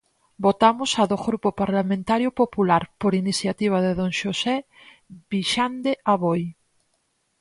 Votamos a do Grupo Parlamentario Popular, por iniciativa de don José Vixande Aboi.